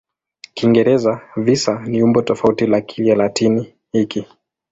Kiingereza "visa" ni umbo tofauti la Kilatini hiki.